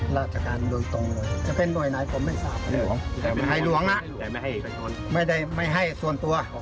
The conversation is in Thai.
ราชการโดยตรงเลยจะเป็นหน่วยไหน